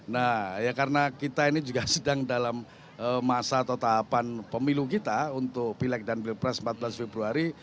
nah ya karena kita ini juga sedang dalam masa atau tahapan pemilu kita untuk pilek dan pilpres empat belas februari